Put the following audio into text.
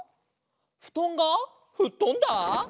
「ふとんがふっとんだ」？